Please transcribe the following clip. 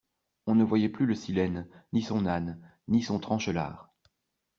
On ne voyait plus le Silène, ni son âne, ni son tranchelard.